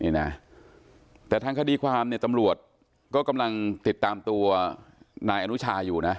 นี่นะแต่ทางคดีความเนี่ยตำรวจก็กำลังติดตามตัวนายอนุชาอยู่นะ